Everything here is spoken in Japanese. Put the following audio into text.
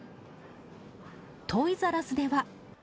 トイザらスでは。